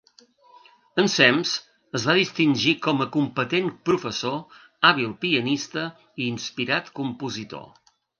Ensems es va distingir com a competent professor, hàbil pianista i inspirat compositor.